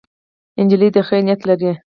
نجلۍ د خیر نیت لري.